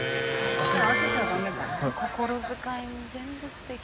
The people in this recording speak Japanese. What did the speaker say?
心遣いも全部すてき。